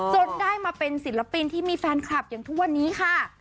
จนได้มาเป็นศิลปินที่มีแฟนคลับอย่างทุกวันนี้ค่ะ